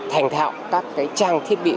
thành thạo các trang thiết bị